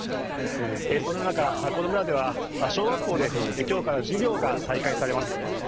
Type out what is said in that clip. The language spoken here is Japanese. その中、この村では小学校で今日から授業が再開されます。